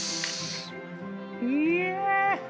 いや。